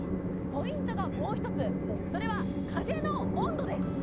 ポイントがもうひとつそれは風の温度です